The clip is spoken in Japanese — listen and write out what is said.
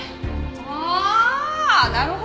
ああなるほど！